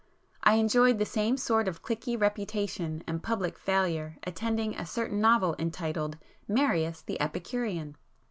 I enjoyed the same sort of cliquey reputation and public failure attending a certain novel entitled 'Marius the Epicurean.